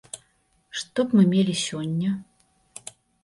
Што б мы мелі сёння?